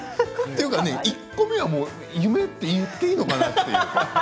ていうか１個目は夢って言っていいのかな